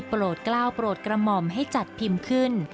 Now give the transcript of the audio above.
โปรดกล้าวโปรดกระหม่อมให้จัดพิมพ์ขึ้น